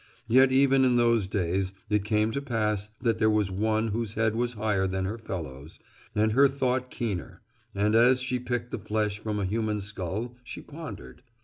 Yet even in those days it came to pass that there was one whose head was higher than her fellows and her thought keener, and as she picked the flesh from a human skull she pondered.